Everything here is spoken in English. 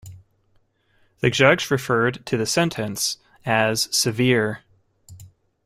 The judge referred to the sentence as "severe".